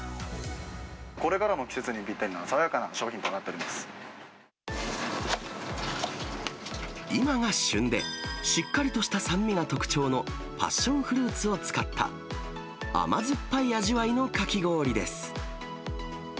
これからの季節にぴったりな、今が旬で、しっかりとした酸味が特徴のパッションフルーツを使った、甘酸っぱい味わいのかき氷です。